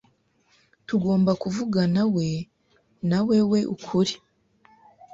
Tugomba kuvuganawe nawewe kuri .